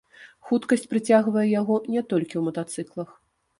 Хуткасць прыцягвае яго не толькі ў матацыклах.